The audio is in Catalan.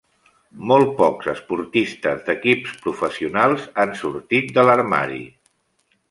Molt pocs esportistes d'equips professionals han sortit de l'armari.